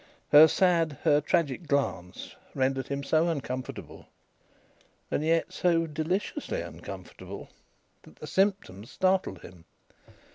Her sad, her tragic glance rendered him so uncomfortable, and yet so deliciously uncomfortable, that the symptoms startled him.